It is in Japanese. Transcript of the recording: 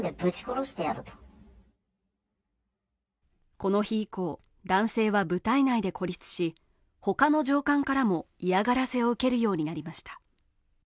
この日以降、男性は部隊内で孤立し他の上官からも嫌がらせを受けるようになりました。